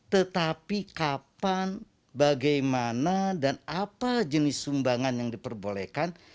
tetapi kapan bagaimana dan apa jenis sumbangan yang diperbolehkan